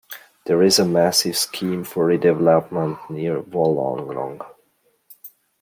There is a massive scheme for redevelopment near Wollongong.